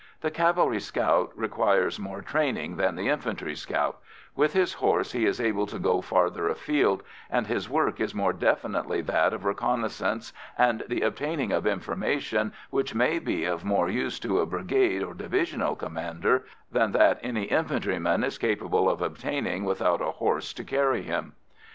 The cavalry scout requires more training than the infantry scout; with his horse he is able to go farther afield, and his work is more definitely that of reconnaissance and the obtaining of information which may be of more use to a brigade or divisional commander than that any infantryman is capable of obtaining without a horse to carry him.